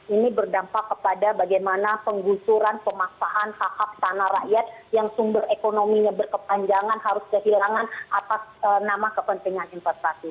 ini berdampak kepada bagaimana penggusuran pemaksaan hak hak tanah rakyat yang sumber ekonominya berkepanjangan harus kehilangan atas nama kepentingan investasi